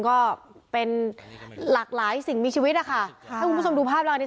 ก็เป็นหลากหลายสิ่งมีชีวิตอะค่ะถ้าคุณผู้ชมดูภาพเรานี้